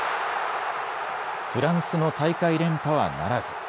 フランスの大会連覇はならず。